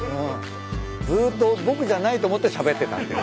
ずっと僕じゃないと思ってしゃべってたわけ。